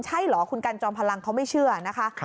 ใช่เหรอคุณกันจอมพลังเขาไม่เชื่อนะคะ